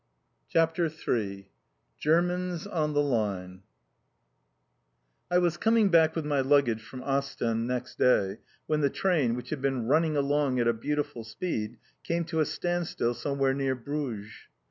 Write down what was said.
CHAPTER III GERMANS ON THE LINE I was coming back with my luggage from Ostend next day when the train, which had been running along at a beautiful speed, came to a standstill somewhere near Bruges.